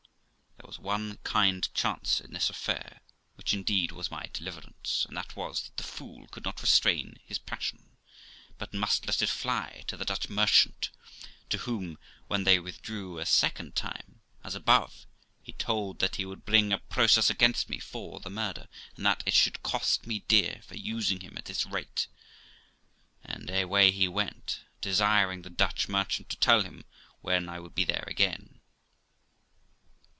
There was one kind chance in this affair, which, indeed, was my deliverance, and that was, that the fool could not restrain his passion, but must let it fly to the Dutch merchant, to whom, when they withdrew a second time, as above, he told that he would bring a process against me for the murder, and that it should cost me dear for using him at that rate; and away he went, desiring the Dutch merchant to tell him when I would be there again.